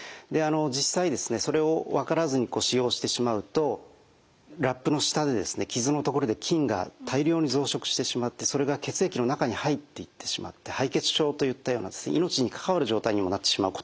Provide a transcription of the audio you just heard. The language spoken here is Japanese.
実際それを分からずに使用してしまうとラップの下で傷の所で菌が大量に増殖してしまってそれが血液の中に入っていってしまって敗血症といったような命にかかわる状態にもなってしまうことさえあるんですね。